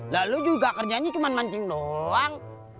dahlah lu juga kerjanya cuma mancing doang